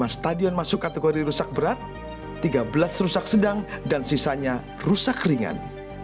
lima stadion masuk kategori rusak berat tiga belas rusak sedang dan sisanya rusak ringan